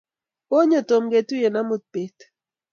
Konyo Tom ketuiye amut pet